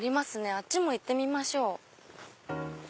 あっちも行ってみましょう。